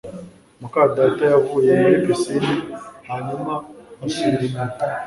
muka data yavuye muri pisine hanyuma asubira inyuma